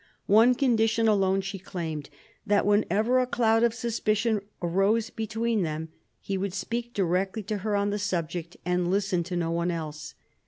One condition alone she claimed, that, whenever a cloud of suspicion rose between them, he would speak direct to her on the subject, and listen to no one else.